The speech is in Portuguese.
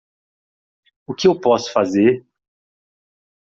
O que eu posso fazer?